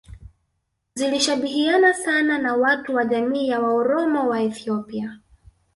zilishabihiana sana na watu wa jamii ya Waoromo wa Ethiopia